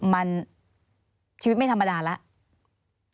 มันชีวิตไม่ธรรมดาแล้ว